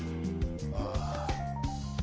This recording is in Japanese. ああ。